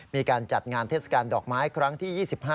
มีการจัดงานเทศกาลดอกไม้ครั้งที่๒๕